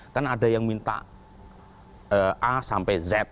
kan ada yang minta a sampai z